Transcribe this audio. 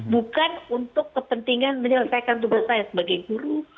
bukan untuk kepentingan menyelesaikan tugas saya sebagai guru